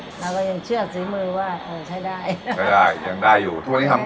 เราก็ยังเชื่อฝีมือว่าเออใช้ได้ใช้ได้ยังได้อยู่ทุกวันนี้ทำ